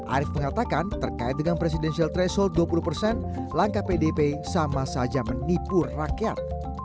arief mengatakan terkait dengan presidensial threshold dua puluh persen langkah pdp sama saja menipu rakyat